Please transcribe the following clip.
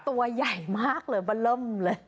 ตัวใหญ่มากเลยบะเริ่มเลย